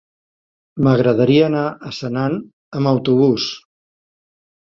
M'agradaria anar a Senan amb autobús.